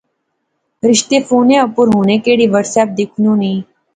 رشتے فونے اُپر ہونے کڑی واٹس ایپ دیکھنونی